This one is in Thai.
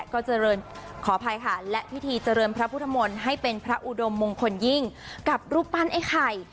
ก็เจริญขออภัยค่ะและพิธีเจริญพระพุทธมนตร์ให้เป็นพระอุดมมงคลยิ่งกับรูปปั้นไอ้ไข่